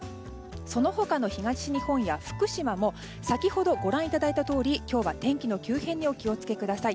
その他の東日本や福島も先ほどご覧いただいたとおり今日は天気の急変にお気を付けください。